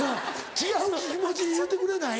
違う気持ち言うてくれない？